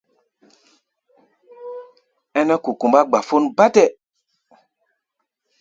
Ɛ́nɛ́ kukumbá gbafón bátɛ.